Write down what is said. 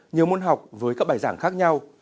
nhiều môn học với các bài giảng khác nhau